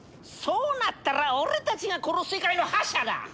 そうなったら俺たちがこの世界の覇者だ！